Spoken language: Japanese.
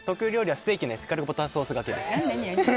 ステーキのエスカルゴバターソースがけです。